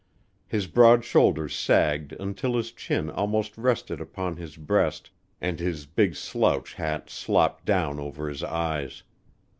His broad shoulders sagged until his chin almost rested upon his breast and his big slouch hat slopped down over his eyes.